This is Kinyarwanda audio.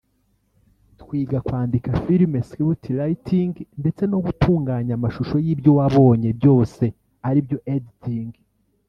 twiga kwandika filime (script writing) ndetse no gutunganya amashusho y’ibyo wabonye byose aribyo editing